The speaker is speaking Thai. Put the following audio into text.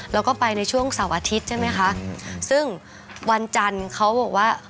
แล้วก็ไปในช่วงเสาร์อาทิตย์ใช่ไหมคะซึ่งวันจันทร์เขาบอกว่า